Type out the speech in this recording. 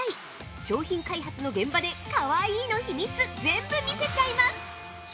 商品開発の現場で「かわいい」の秘密、全部見せちゃいます！